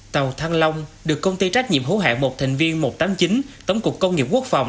tàu thăng long được công ty trách nhiệm hữu hạng một thành viên một trăm tám mươi chín tổng cục công nghiệp quốc phòng